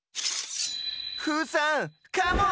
フーさんカモン！